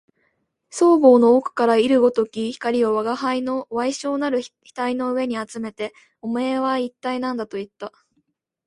双眸の奥から射るごとき光を吾輩の矮小なる額の上にあつめて、おめえは一体何だと言った